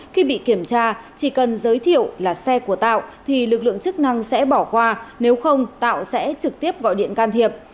khi bị kiểm tra chỉ cần giới thiệu là xe của tạo thì lực lượng chức năng sẽ bỏ qua nếu không tạo sẽ trực tiếp gọi điện can thiệp